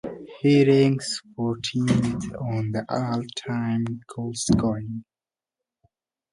He ranks fourteenth on the all-time goalscoring list.